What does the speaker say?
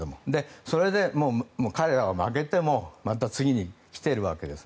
それで彼らは負けてもまた次に来ているわけです。